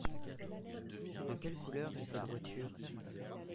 De quelle couleur est cette voiture ?